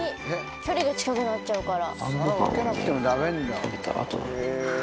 距離が近くなっちゃうから。